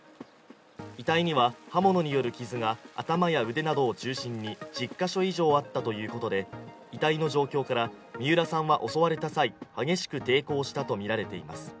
遺体には刃物による傷が頭や腕などを中心に１０カ所以上あったということで、遺体の状況から三浦さんは襲われた際激しく抵抗したとみられています。